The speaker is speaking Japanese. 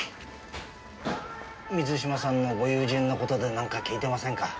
水嶋さんのご友人の事でなんか聞いてませんか？